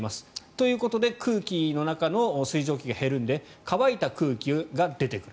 ということで空気の中の水蒸気が減るので乾いた空気が出てくる。